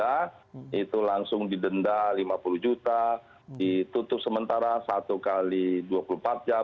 kami sudah melakukan sidak sidak langsung didenda lima puluh juta ditutup sementara satu x dua puluh empat jam